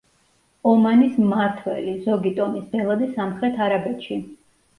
ომანის მმართველი, ზოგი ტომის ბელადი სამხრეთ არაბეთში.